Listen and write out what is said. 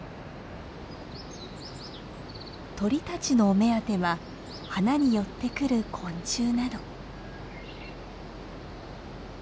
鳥たちのお目当ては花に寄ってくる昆虫など。